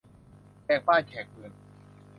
แขกบ้านแขกเมือง